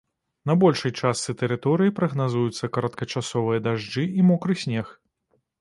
На большай частцы тэрыторыі прагназуюцца кароткачасовыя дажджы і мокры снег.